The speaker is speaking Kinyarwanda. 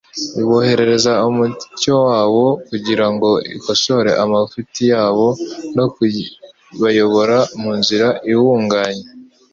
Iboherereza umtvcyo wayo kugira ngo ukosore amafuti yabo no kubayobora mu nzira iumganye;